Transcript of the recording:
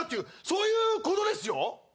そういうことですよ。